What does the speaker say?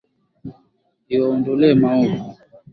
Iwaondolee maovu.